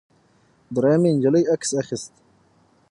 درېیمې نجلۍ عکس اخیست.